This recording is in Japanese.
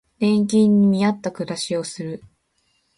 年金に見合った暮らしをする